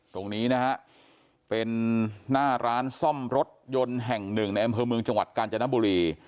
ตรงนี้เป็นหน้าร้านซ่อมรถยนต์แห่ง๑ในแม่มเพิงเมืองจังหวัดกาญจนบุรี